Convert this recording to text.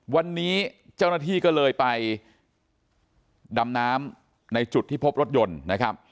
วันนี้เจ้าหน้าที่ก็เลยไปดำน้ำในจุดที่พบรถยนต์นะครับ